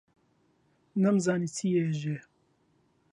نەمزانی چی ئێژێ،